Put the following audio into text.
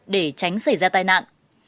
để tránh xảy ra tai nạn